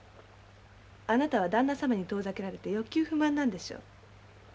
あなたはだんな様に遠ざけられて欲求不満なんでしょう。